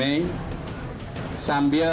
sambil mengembangkan kemampuan